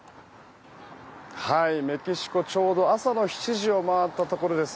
はい、メキシコはちょうど朝の７時を回ったところです。